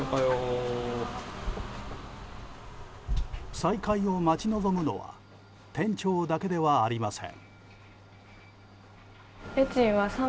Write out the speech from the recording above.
再開を待ち望むのは店長だけではありません。